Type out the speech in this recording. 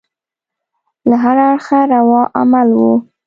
له هره اړخه روا عمل وو.